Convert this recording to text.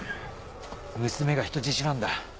娘が人質なんだ